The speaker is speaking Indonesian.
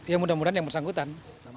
ya mudah mudahan yang bersangkutan